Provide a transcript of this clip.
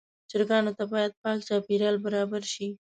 چرګانو ته باید پاک چاپېریال برابر شي.